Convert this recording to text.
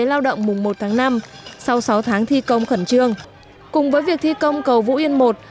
lao động mùng một tháng năm sau sáu tháng thi công khẩn trương cùng với việc thi công cầu vũ yên i